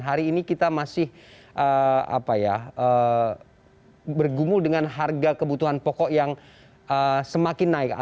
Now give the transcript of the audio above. hari ini kita masih bergumul dengan harga kebutuhan pokok yang semakin naik